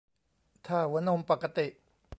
ถ้าหัวนมปกติ